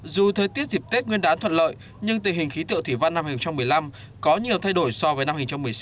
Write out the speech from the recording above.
dù thời tiết dịp tết nguyên đán thuận lợi nhưng tình hình khí tượng thủy văn năm hai nghìn một mươi năm có nhiều thay đổi so với năm hai nghìn một mươi sáu